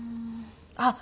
あっ。